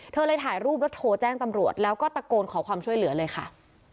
เธอเลยถ่ายรูปแล้วโทรแจ้งตำรวจแล้วก็ตะโกนขอความช่วยเหลือเลยค่ะ